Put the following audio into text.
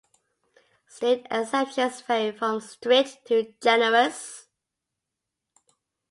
State exemptions vary from strict to generous.